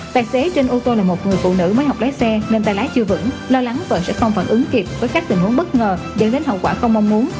tài xế trên ô tô là một người phụ nữ mới học lái xe nên tài lái chưa vững lo lắng vợ sẽ không phản ứng kịp với các tình huống bất ngờ dẫn đến hậu quả không mong muốn